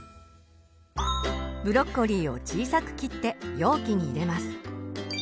ブロッコリーを小さく切って容器に入れます。